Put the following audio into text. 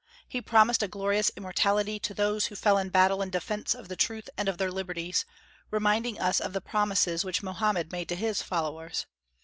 He promised a glorious immortality to those who fell in battle in defence of the truth and of their liberties, reminding us of the promises which Mohammed made to his followers.